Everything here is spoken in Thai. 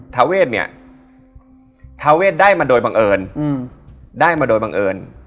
ทาเวทเนี่ยทาเวทได้มาโดยบังเอิญได้มาโดยบังเอิญ